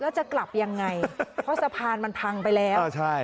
แล้วจะกลับยังไงเพราะสะพานมันพังไปแล้วอ่าใช่